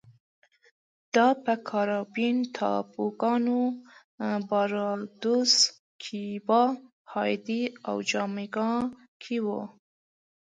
دا په کارابین ټاپوګانو باربادوس، کیوبا، هایټي او جامیکا کې و